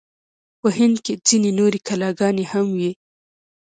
په هند کې ځینې نورې کلاګانې هم وې.